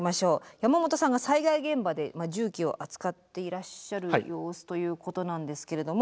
山本さんが災害現場で重機を扱っていらっしゃる様子ということなんですけれども。